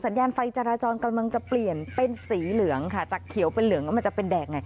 ญาณไฟจราจรกำลังจะเปลี่ยนเป็นสีเหลืองค่ะจากเขียวเป็นเหลืองก็มันจะเป็นแดงไง